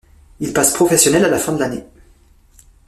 Il passe professionnel à la fin de l'année.